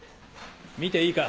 見ていいか？